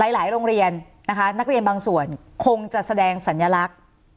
หลายโรงเรียนนะคะนักเรียนบางส่วนคงจะแสดงสัญลักษณ์